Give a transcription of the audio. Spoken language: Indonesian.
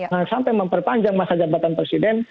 jangan sampai memperpanjang masa jabatan presiden